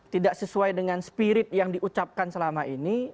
tidak sesuai dengan spirit yang diucapkan selama ini